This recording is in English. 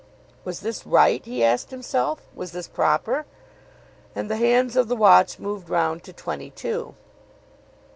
Was this right, he asked himself. Was this proper? And the hands of the watch moved round to twenty to.